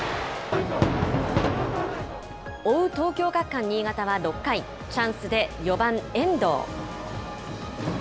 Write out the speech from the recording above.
追う東京学館新潟は６回、チャンスで４番遠藤。